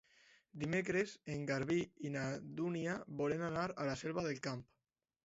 Dimecres en Garbí i na Dúnia volen anar a la Selva del Camp.